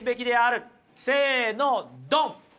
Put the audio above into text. せのドン！